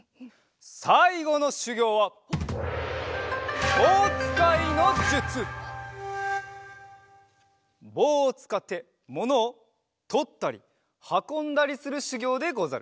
さいごのしゅぎょうはぼうをつかってものをとったりはこんだりするしゅぎょうでござる。